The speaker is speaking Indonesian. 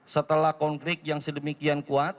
setelah konflik yang sedemikian kuat